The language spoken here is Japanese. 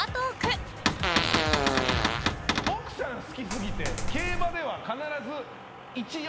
奥さん好き過ぎて競馬では必ず１−４。